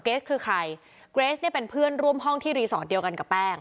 เกสคือใครเกรสเนี่ยเป็นเพื่อนร่วมห้องที่รีสอร์ทเดียวกันกับแป้ง